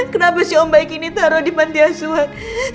kenapa si om baik ini taruh di pantiasuhan